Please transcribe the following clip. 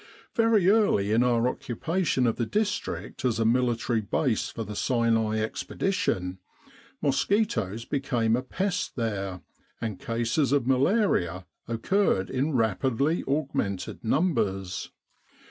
Very early in our occupation of the district as a military base for the Sinai Expedition, mosquitoes became a pest there, and cases of malaria occurred in rapidly augmented numbers.